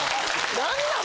何なん？